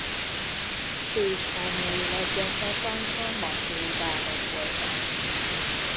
Főispánjai leggyakrabban a macsói bánok voltak.